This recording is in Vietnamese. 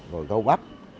rồi gâu bắp